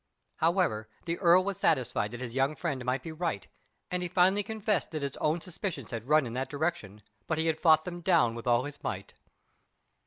However, the earl was satisfied that his young friend might be right, and he finally confessed that his own suspicions had run in that direction, but he had fought them down with all his might.